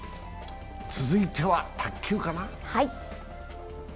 続いては卓球かな。